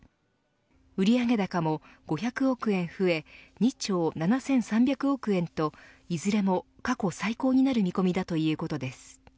売上高も５００億円増え２兆７３００億円といずれも過去最高になる見込みだということです。